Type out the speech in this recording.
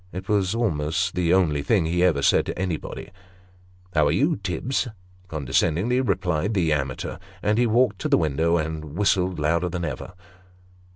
It was almost the only thing he ever said to anybody. " How are you, Tibbs ?'' condescendingly replied the amateur ; and he walked to the window, and whistled louder than ever.